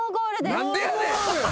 何でやねん！